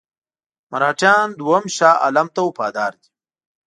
مرهټیان دوهم شاه عالم ته وفادار دي.